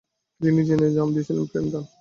তিনি নিজের নাম দিয়েছিলেন "প্রেমদান"।